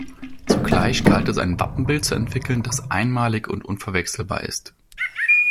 Zugleich galt es ein Wappenbild zu entwickeln, das einmalig und unverwechselbar ist.